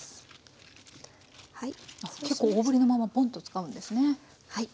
結構大ぶりのままぼんと使うんですね。